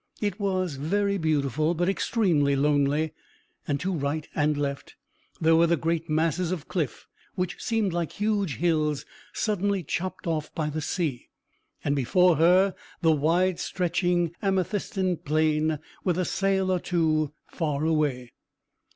It was very beautiful, but extremely lonely, and to right and left there were the great masses of cliff, which seemed like huge hills suddenly chopped off by the sea, and before her the wide stretching amethystine plain, with a sail or two far away.